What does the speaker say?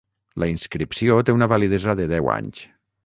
La inscripció té una validesa de deu anys.